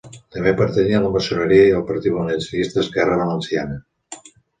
També pertanyia a la maçoneria i al partit valencianista Esquerra Valenciana.